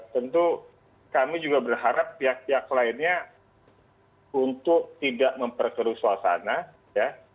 tentu kami juga berharap pihak pihak lainnya untuk tidak memperkeruh suasana ya